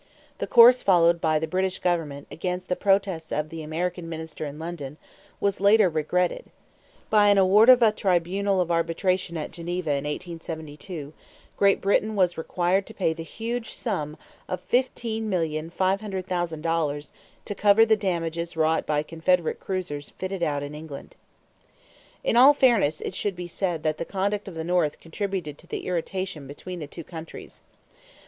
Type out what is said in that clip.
The course followed by the British government, against the protests of the American minister in London, was later regretted. By an award of a tribunal of arbitration at Geneva in 1872, Great Britain was required to pay the huge sum of $15,500,000 to cover the damages wrought by Confederate cruisers fitted out in England. [Illustration: WILLIAM H. SEWARD] In all fairness it should be said that the conduct of the North contributed to the irritation between the two countries.